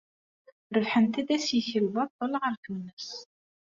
Rebḥent-d assikel baṭel ɣer Tunes.